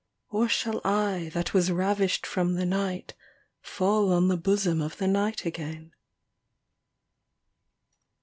Or shall I that was ravished from the night Fall on the bosom of the night again